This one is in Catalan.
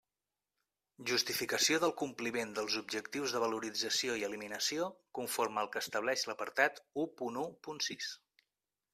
Justificació del compliment dels objectius de valorització i eliminació conforme al que estableix l'apartat u punt u punt sis.